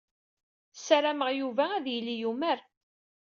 Ssarameɣ Yuba ad yili yumer.